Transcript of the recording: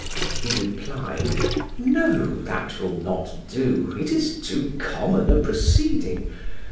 He replied: "No, that will not do; it is too common a proceeding.